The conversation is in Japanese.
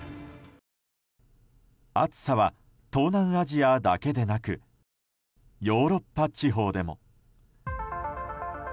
暑さは東南アジアだけでなくヨーロッパ地方でも。